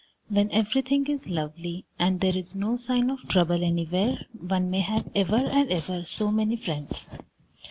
When everything is lovely and there is no sign of trouble anywhere, one may have ever and ever so many friends.